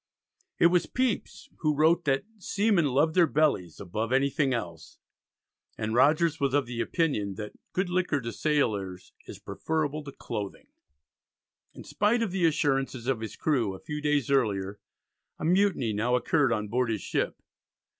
It was Pepys who wrote that "seamen love their bellies above anything else," and Rogers was of the opinion that "good liquor to sailors is preferable to clothing." In spite of the assurances of his crew a few days earlier, a mutiny now occurred on board his ship.